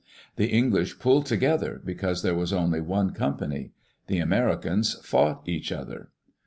The Eng lish pulled together, because there was only one company. The Americans fought each other.